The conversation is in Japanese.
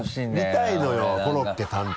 見たいのよコロッケ単体。